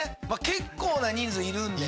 結構な人数いるんで。